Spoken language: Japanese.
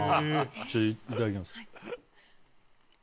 いただきます。